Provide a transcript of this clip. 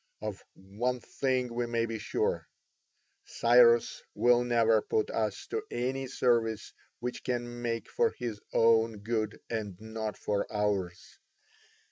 Of one thing we may be sure: Cyrus will never put us to any service which can make for his own good and not for ours.